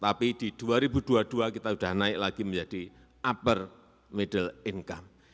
tapi di dua ribu dua puluh dua kita sudah naik lagi menjadi upper middle income